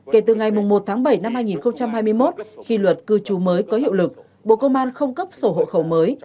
kể từ ngày một tháng bảy năm hai nghìn hai mươi một khi luật cư trú mới có hiệu lực bộ công an không cấp sổ hộ khẩu mới